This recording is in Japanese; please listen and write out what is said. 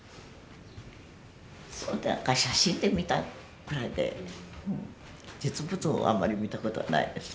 写真で見たくらいで実物をあんまり見たことはないです。